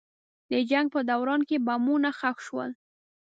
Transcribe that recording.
د جنګ په دوران کې بمونه ښخ شول.